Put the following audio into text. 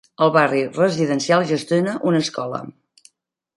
El barri residencial gestiona una escola.